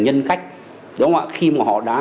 nhân khách khi mà họ đã